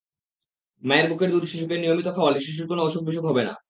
মায়ের বুকের দুধ শিশুকে নিয়মিত খাওয়ালে শিশুর কোনো অসুখবিসুখ হবে না।